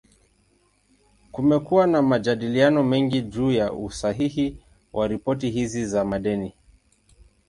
Kumekuwa na majadiliano mengi juu ya usahihi wa ripoti hizi za madeni.